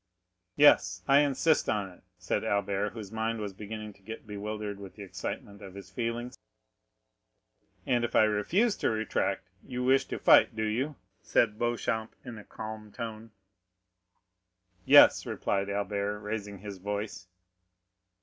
"Yes, I insist on it," said Albert, whose mind was beginning to get bewildered with the excitement of his feelings. "And if I refuse to retract, you wish to fight, do you?" said Beauchamp in a calm tone. "Yes," replied Albert, raising his voice.